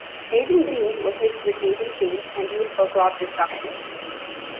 Agent Green was mixed with Agent Pink and used for crop destruction.